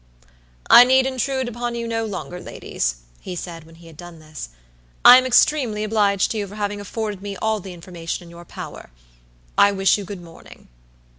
"I need intrude upon you no longer, ladies," he said, when he had done this. "I am extremely obliged to you for having afforded me all the information in your power. I wish you good morning."